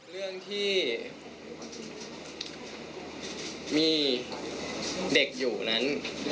เรื่องที่มีเด็กอยู่นั้น